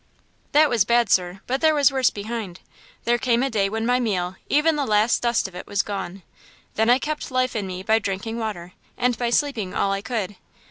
"That was bad, sir; but there was worse behind! There came a day when my meal, even the last dust of it, was gone. Then I kept life in me by drinking water and by sleeping all I could.